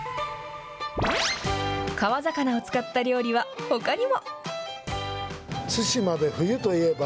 川魚を使った料理はほかにも。